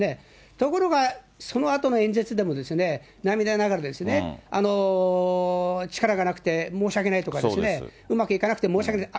ところが、そのあとの演説でも涙ながらにですね、力がなくて申し訳ないとかですね、うまくいかなくて申し訳ない。